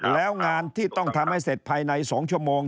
แล้วงานที่ต้องทำให้เสร็จภายใน๒ชั่วโมง